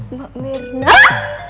mbak mir kenapa